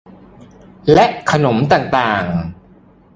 และขนมต่าง